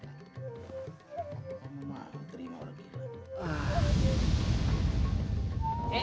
mau terima udah gila